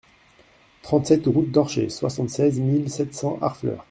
trente-sept route d'Orcher, soixante-seize mille sept cents Harfleur